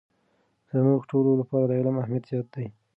زموږ ټولو لپاره د علم اهمیت زیات دی.